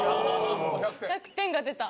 １００点が出た。